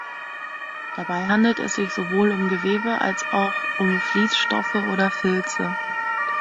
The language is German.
Dabei handelt es sich sowohl um Gewebe als auch um Vliesstoffe oder Filze.